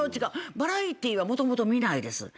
バラエティーはもともと見ないです。